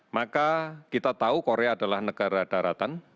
maka kita tahu korea adalah negara daratan